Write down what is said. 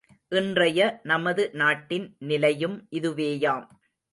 இன்றைய நமது நாட்டின் நிலையும் இதுவேயாம்.